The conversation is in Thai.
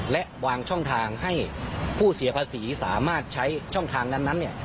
และวางช่องทางให้ผู้เสียภาษีสามารถใช้ช่องทางนั้น